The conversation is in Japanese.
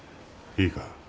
いいか。